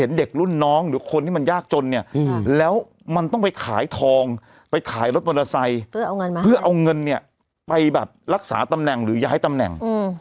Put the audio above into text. เด็กรุ่นน้องหรือคนที่มันยากจนเนี่ยแล้วมันต้องไปขายทองไปขายรถมอเตอร์ไซค์เพื่อเอาเงินมาเพื่อเอาเงินเนี่ยไปแบบรักษาตำแหน่งหรือย้ายตำแหน่ง